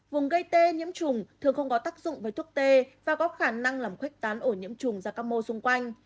vùng gây tê nhiễm trùng thường không có tác dụng với thuốc tê và có khả năng làm khuếch tán ổ nhiễm trùng ra các mô xung quanh